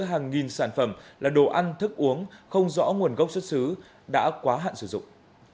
hàng nghìn sản phẩm là đồ ăn thức uống không rõ nguồn gốc xuất xứ đã quá hạn sử dụng